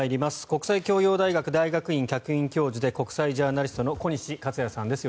国際教養大学大学院客員教授で国際ジャーナリストの小西克哉さんです。